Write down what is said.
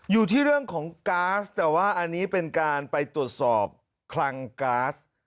อยู่ที่เรื่องของก๊าซแต่ว่าอันนี้เป็นการไปตรวจสอบคลังก๊าซ